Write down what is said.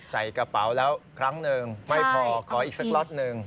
ใส่กระเป๋าแล้วครั้งนึงไม่พอก่ออีกสักรอดนึง